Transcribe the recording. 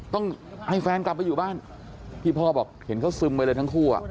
ต้องให้แฟนกลับไปอยู่บ้านพี่พ่อบอกเห็นเขาซึมไปเลยทั้งคู่อ่ะ